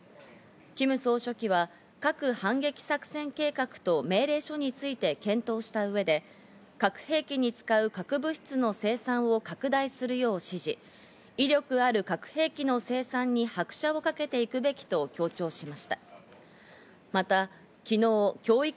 キム総書記は核反撃作戦計画と命令書について検討した上で、核兵器に使う核物質の生産を拡大するよう指示、威力ある核兵器の生産に拍車をかけていくべきと強調しました。